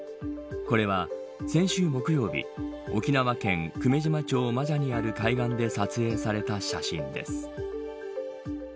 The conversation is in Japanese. これは、先週木曜日沖縄県久米島町真謝にある海岸で撮影された写真です。